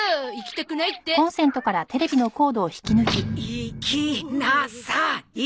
行きなさい！